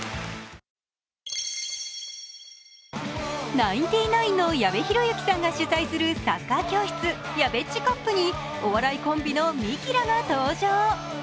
ナインティナインの矢部浩之さんが主催するサッカー教室やべっちカップにお笑いコンビのミキらが登場。